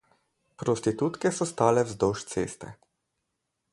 Prostitutke so stale vzdolž ceste.